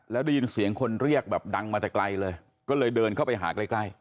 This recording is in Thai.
แล้วได้ยินเสียงคนเรียกแบบดังมาแต่ไกลเลยก็เลยเดินเข้าไปหาใกล้ใกล้